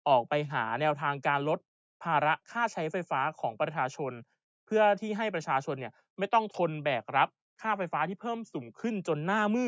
ออกไปหาแนวทางการลดภาระค่าใช้ไฟฟ้าของประชาชน